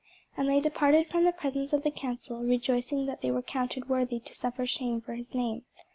And they departed from the presence of the council, rejoicing that they were counted worthy to suffer shame for his name.